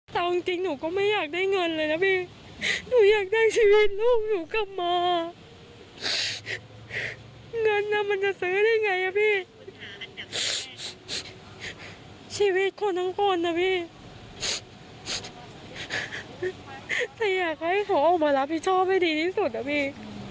เธอออกมาแล้วพี่ชอบให้ดีที่สุดนะพี่